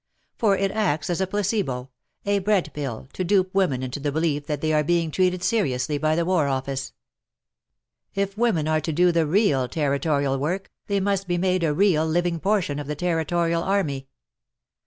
For it acts as a placebo — a bread pill, to dupe women into the belief that they are being treated seriously by the War Office. If women are to do real Territoral work, they must be made a real living portion of the Territorial army.